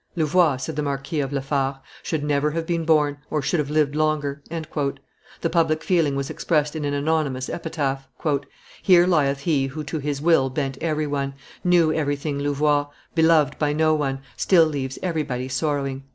"Louvois," said the Marquis of La Fare, "should never have been born, or should have lived longer." The public feeling was expressed in an anonymous epitaph: "Here lieth he who to his will Bent every one, knew everything Louvois, beloved by no one, still Leaves everybody sorrowing."